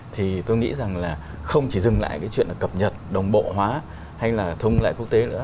thì tôi nghĩ rằng là không chỉ dừng lại cái chuyện là cập nhật đồng bộ hóa hay là thông lại quốc tế nữa